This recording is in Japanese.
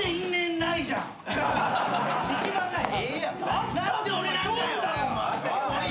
・一番ない。